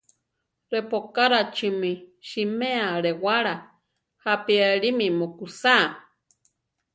Repókarachi mi siméa alewála, jápi alími mukúsaa.